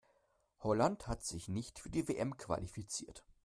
Holland hat sich nicht für die WM qualifiziert.